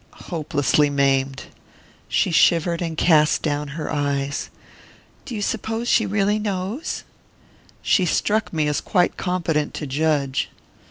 "Hopelessly maimed!" She shivered and cast down her eyes. "Do you suppose she really knows?" "She struck me as quite competent to judge."